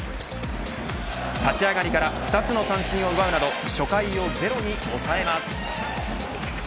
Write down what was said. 立ち上がりから２つの三振を奪うなど初回をゼロに抑えます。